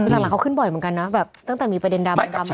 แต่หลังเขาขึ้นบ่อยเหมือนกันนะแบบตั้งแต่มีประเด็นดรามมา